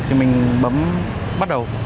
thì mình bấm bắt đầu